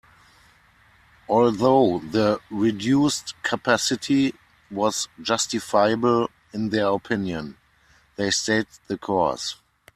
Although the reduced capacity was justifiable in their opinion, they stayed the course.